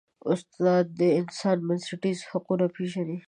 استاد د انسان بنسټیز حقونه پېژني.